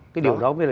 cái điều đó mới là